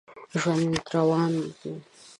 ژوند روان و.